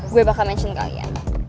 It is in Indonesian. gue bakal mention kali ya